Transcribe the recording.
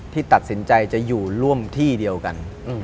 ที่ตัดสินใจจะอยู่ร่วมที่เดียวกัน